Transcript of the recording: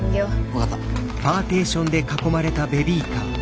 分かった。